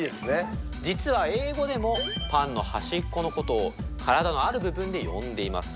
実は英語でもパンの端っこのことを体のある部分で呼んでいます。